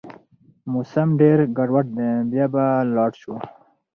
موسم ډېر ګډوډ دی، بيا به لاړ شو